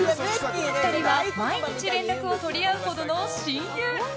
２人は毎日連絡を取り合うほどの親友。